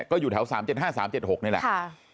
ก็อยู่แถว๓๗๕๓๗๖นี่แหละ